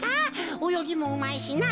およぎもうまいしな。